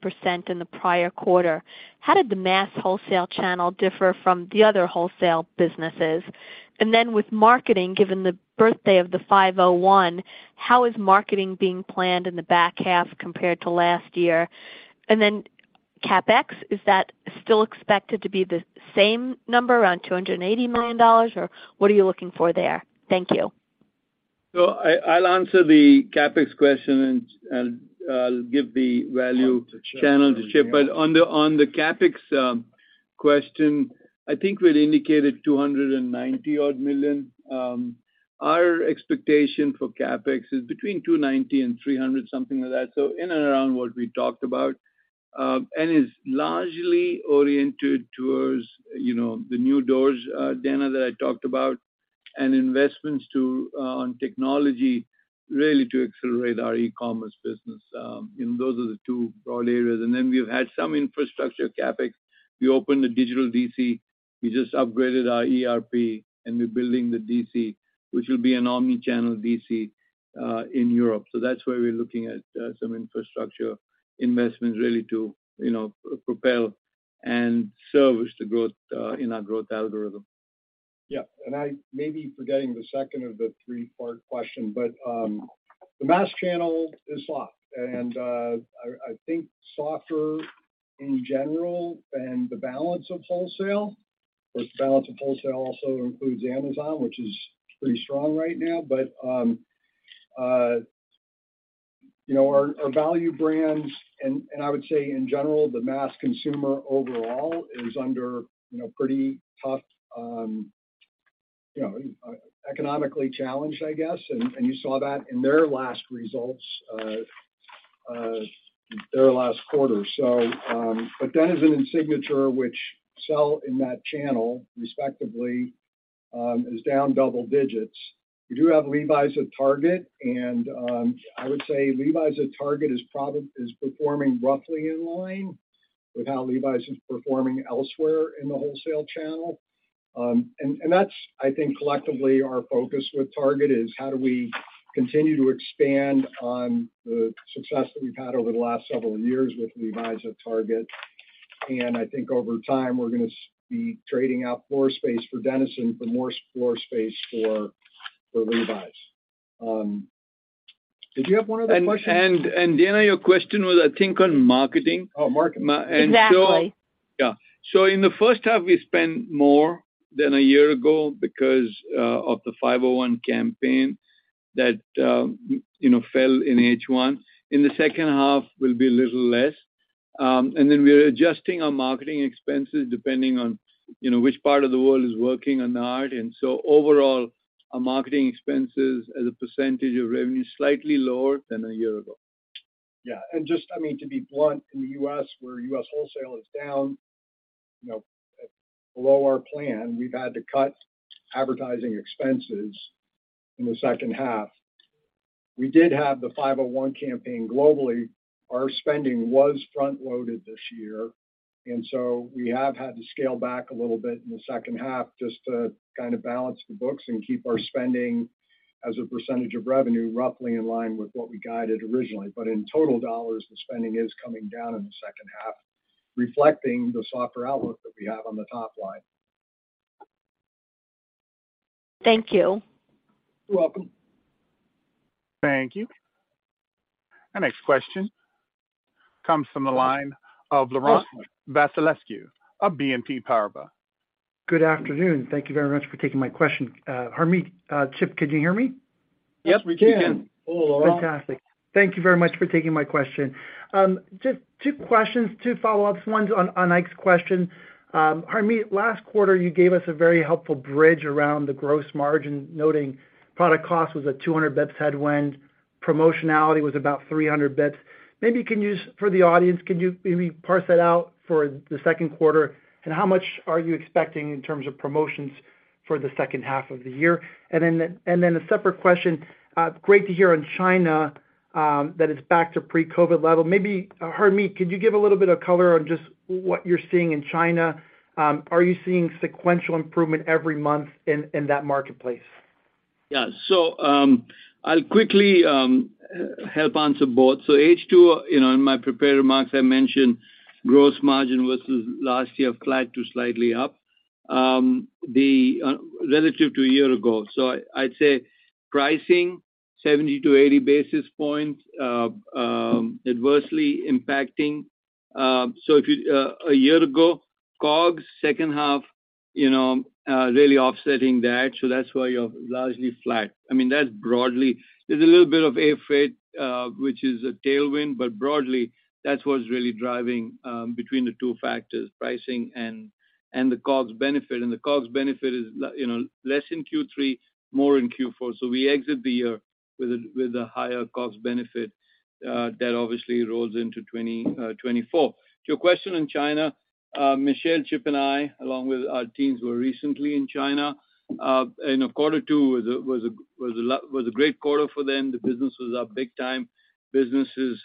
in the prior quarter, how did the mass wholesale channel differ from the other wholesale businesses? With marketing, given the birthday of the 501, how is marketing being planned in the back half compared to last year? CapEx, is that still expected to be the same number, around $280 million, or what are you looking for there? Thank you. I'll answer the CapEx question, and I'll give the value channel to Chip. On the CapEx question, I think we'd indicated $290 odd million. Our expectation for CapEx is between $290 and $300, something like that. In and around what we talked about. Is largely oriented towards, you know, the new doors, Dana, that I talked about, and investments to on technology, really to accelerate our e-commerce business. Those are the two broad areas. Then we've had some infrastructure CapEx. We opened a digital DC. We just upgraded our ERP, and we're building the DC, which will be an omni-channel DC in Europe. That's where we're looking at some infrastructure investments really to, you know, propel and service the growth in our growth algorithm. Yeah. I may be forgetting the second of the three-part question, but, the mass channel is soft. I think softer in general and the balance of wholesale, of course, the balance of wholesale also includes Amazon, which is pretty strong right now. But, you know, our value brands and I would say in general, the mass consumer overall is under, you know, pretty tough, you know, economically challenged, I guess. You saw that in their last results, their last quarter. But DENIZEN and Signature, which sell in that channel respectively, is down double digits. We do have Levi's at Target, and I would say Levi's at Target is performing roughly in line with how Levi's is performing elsewhere in the wholesale channel. That's, I think, collectively, our focus with Target, is how do we continue to expand on the success that we've had over the last several years with Levi's at Target? I think over time, we're gonna be trading out floor space for DENIZEN for more floor space for Levi's. Did you have one other question? Dana, your question was, I think, on marketing. Oh, marketing. Exactly. Yeah. In the first half, we spent more than a year ago because of the 501 campaign that, you know, fell in H1. In the second half, will be a little less. We are adjusting our marketing expenses depending on, you know, which part of the world is working or not. Overall, our marketing expenses as a % of revenue is slightly lower than a year ago. Just, I mean, to be blunt, in the U.S., where U.S. wholesale is down, you know, below our plan, we've had to cut advertising expenses in the second half. We did have the 501 campaign globally. Our spending was front-loaded this year. We have had to scale back a little bit in the second half just to kind of balance the books and keep our spending as a % of revenue, roughly in line with what we guided originally. In total dollars, the spending is coming down in the second half, reflecting the softer outlook that we have on the top line. Thank you. You're welcome. Thank you. Our next question comes from the line of Laurent Vasilescu of BNP Paribas. Good afternoon. Thank you very much for taking my question. Harmit, Chip, can you hear me? Yep, we can. We can. Hello, Laurent. Fantastic. Thank you very much for taking my question. Just two questions, two follow-ups. One's on Ike's question. Harmit, last quarter, you gave us a very helpful bridge around the gross margin, noting product cost was a 200 basis points headwind, promotionality was about 300 basis points. Maybe you can for the audience, can you maybe parse that out for the second quarter, and how much are you expecting in terms of promotions for the second half of the year? Then a separate question, great to hear in China that it's back to pre-COVID level. Maybe, Harmit, could you give a little bit of color on just what you're seeing in China? Are you seeing sequential improvement every month in that marketplace? Yeah. I'll quickly help answer both. H2, you know, in my prepared remarks, I mentioned gross margin versus last year, flat to slightly up, relative to a year ago. I'd say pricing, 70-80 basis points, adversely impacting. If you a year ago, COGS, second half, you know, really offsetting that's why you're largely flat. I mean, that's broadly. There's a little bit of air freight, which is a tailwind, but broadly, that's what's really driving between the two factors, pricing and the COGS benefit. The COGS benefit is, you know, less in Q3, more in Q4. We exit the year with a higher COGS benefit that obviously rolls into 2024. To your question on China, Michelle, Chip, and I, along with our teams, were recently in China. Quarter two was a great quarter for them. The business was up big time. Business is,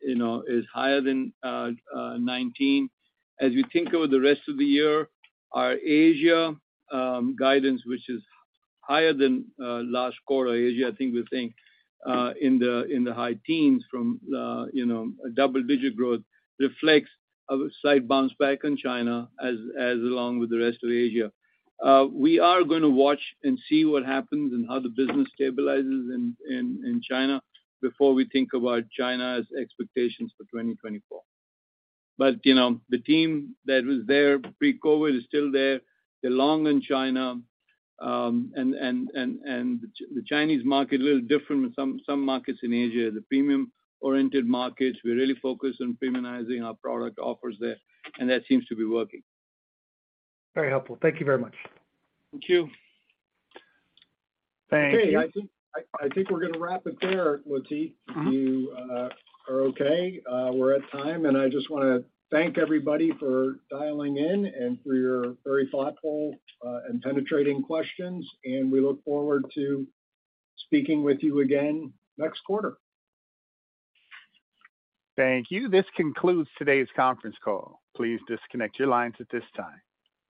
you know, is higher than 19. As we think over the rest of the year, our Asia guidance, which is higher than last quarter, Asia, I think we think in the high teens from, you know, double-digit growth, reflects a slight bounce back in China as along with the rest of Asia. We are gonna watch and see what happens and how the business stabilizes in China before we think about China's expectations for 2024. You know, the team that was there pre-COVID is still there. They're long in China, and the Chinese market is a little different than some markets in Asia. The premium-oriented markets, we're really focused on premiumizing our product offers there, and that seems to be working. Very helpful. Thank you very much. Thank you. Thank you. Hey, I think, I think we're gonna wrap it there, Latife. You are okay. We're at time, and I just wanna thank everybody for dialing in and for your very thoughtful, and penetrating questions. We look forward to speaking with you again next quarter. Thank you. This concludes today's conference call. Please disconnect your lines at this time.